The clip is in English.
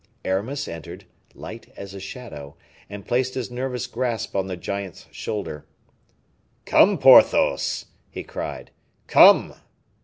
Aramis entered, light as a shadow, and placed his nervous grasp on the giant's shoulder. "Come, Porthos," he cried, "come."